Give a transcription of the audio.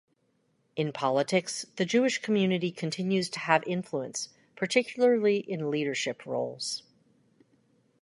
In politics, the Jewish community continues to have influence, particularly in leadership roles.